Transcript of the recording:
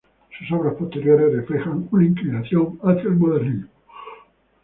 Sus obras posteriores reflejan una inclinación hacia el modernismo.